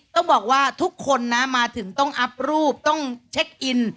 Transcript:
ต้องบอกว่าทุกคนนะมาถึงต้องอัพรูปต้องเช็คอิน